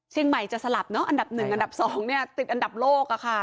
เชียงใหม่จะสลับเนาะอันดับหนึ่งอันดับสองเนี่ยติดอันดับโลกอะค่ะ